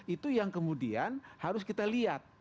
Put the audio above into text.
itu yang kemudian harus kita lihat